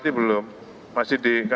jakpro kemarin apa ya